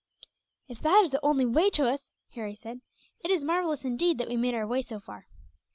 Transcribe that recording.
"If that is the only way to us," Harry said, "it is marvellous, indeed, that we made our way so far."